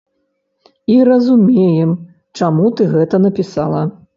І разумеем, чаму ты гэта напісала.